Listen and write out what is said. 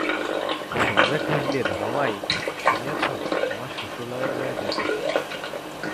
রাজা কহিলেন, রমাই, শুনিয়াছ আমি শ্বশুরালয়ে যাইতেছি?